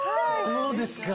どうですか？